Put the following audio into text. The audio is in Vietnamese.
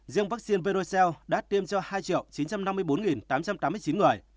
riêng vaccine verocell đã tiêm cho hai chín trăm năm mươi bốn tám trăm tám mươi chín người